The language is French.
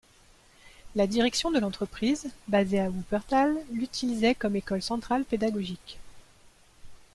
La direction de l'entreprise, basée à Wuppertal l'utilisait comme école centrale pédagogique.